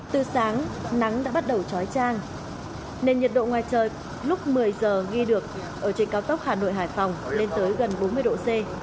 từ sáng nắng đã bắt đầu trói trang nên nhiệt độ ngoài trời lúc một mươi giờ ghi được ở trên cao tốc hà nội hải phòng lên tới gần bốn mươi độ c